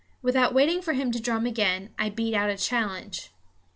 Without waiting for him to drum again, I beat out a challenge.